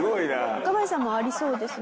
若林さんもありそうですね。